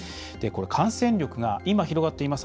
感染力が今、広がっています